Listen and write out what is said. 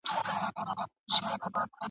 چا ته هم ټبټ کله افغان نۀ ګوري